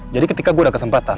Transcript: jadi ketika gue ada kesempatan